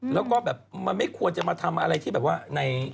แล้วก็แบบมันไม่ควรจะมาทำอะไรที่แบบว่าใน